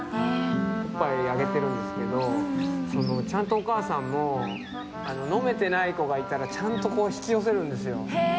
おっぱいあげてるんですけどお母さんも飲めてない子がいたらちゃんと引き寄せるんですよ。